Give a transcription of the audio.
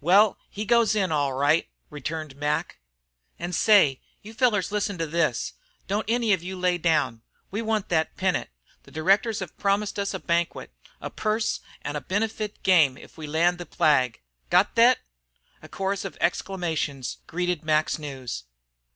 "Well, he goes in, all right," returned Mac. "An' say, you fellars listen to this. Don't any of you lay down. We want thet pennant. The directors have promised us a banquet, a purse, an' a benefit game if we land the flag. Got thet?" A chorus of exclamations greeted Mac's news.